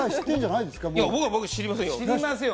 いや僕は知りませんよ